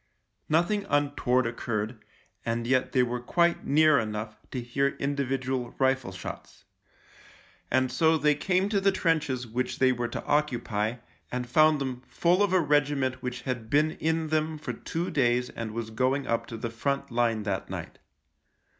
Nothing untoward occurred, and yet they were quite near enough to hear individual rifle shots. And so they came to the trenches which they were to occupy, and found them full of a regiment which had been in them for two days and was going up to the front line that night.